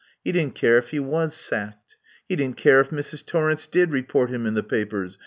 He didn't care if he was sacked. He didn't care if Mrs. Torrence did report him in the papers.